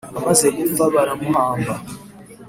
amaze gupfa baramuhamba